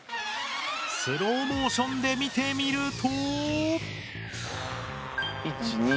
スローモーションで見てみると。